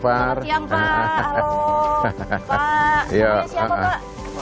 selamat siang pak halo pak